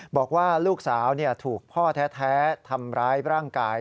บอกว่าลูกสาวถูกพ่อแท้ทำร้ายร่างกาย